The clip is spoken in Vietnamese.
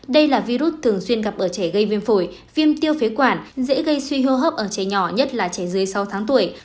đây là virus thường xuyên gặp ở trẻ gây viêm phổi viêm tiêu phế quản dễ gây suy hô hấp ở trẻ nhỏ nhất là trẻ dưới sáu tháng tuổi